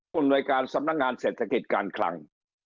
อำนวยการสำนักงานเศรษฐกิจการคลัง